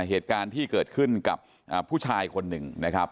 เหตุการณ์ที่เกิดขึ้นกับผู้ชายคนหนึ่งนะครับ